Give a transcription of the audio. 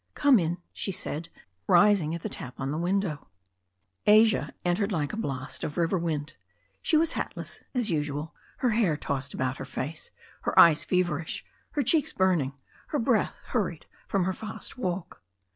"Come in," she said, rising at the tap on her window pane. Asia entered like a blast of river wind. She was hatless, as usual, her hair tossed about her face, her eyes feverish, her cheeks burning, her breath hurried from her fast walk.